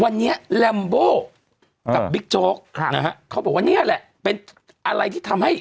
วันนี้แรมโบกับบิ๊กโจ๊กนะฮะเขาบอกว่าเนี่ยแหละเป็นอะไรที่ทำให้